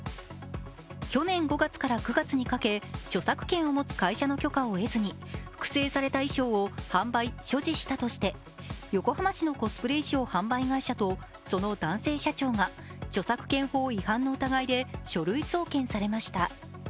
去年５月から９月にかけ著作権を持つ会社の許可を得ずに複製された衣装を販売・所持したとして横浜市のコスプレ衣装販売会社とその男性社長が著作権法違反の疑いで書類送検されました。